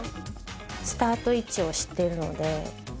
スタート位置を知ってるので。